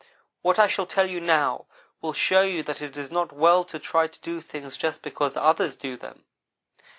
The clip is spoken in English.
What I shall tell you now will show you that it is not well to try to do things just because others do them.